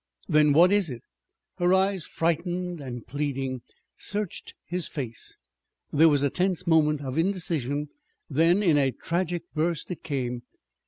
"Then what is it?" Her eyes, frightened and pleading, searched his face. There was a tense moment of indecision. Then in a tragic burst it came.